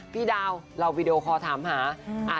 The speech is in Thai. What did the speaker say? พี่ดาวเราวีดีโอคอลถามหา